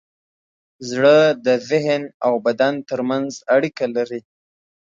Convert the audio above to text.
زړه د ذهن او بدن ترمنځ اړیکه لري.